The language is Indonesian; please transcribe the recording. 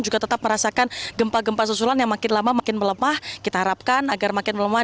juga tetap merasakan gempa gempa susulan yang makin lama makin melemah kita harapkan agar makin melemah